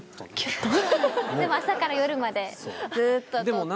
でも朝から夜までずっと録って。